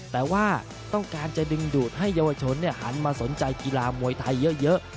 แต่ว่าต้องการจะดึงดูดให้เยาวชนหันมาสนใจกีฬามวยไทยเยอะ